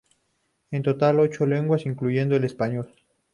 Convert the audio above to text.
En total, ocho lenguas, incluyendo el español.